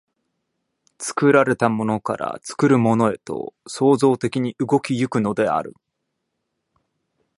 作られたものから作るものへと創造的に動き行くのである。